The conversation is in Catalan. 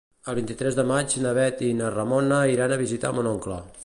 El vint-i-tres de maig na Bet i na Ramona iran a visitar mon oncle.